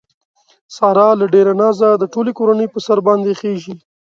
ساره له ډېره نازه د ټولې کورنۍ په سر باندې خېژي.